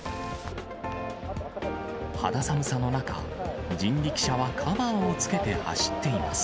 肌寒さの中、人力車はカバーをつけて走っています。